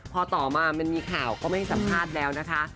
พอต่อมามันมีข่าวก็ไม่ให้สัมภาษณ์แล้วนะคะ